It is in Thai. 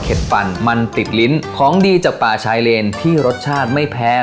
ปั่นมันติดลิ้นของดีจากป่าชายเลนที่รสชาติไม่แพ้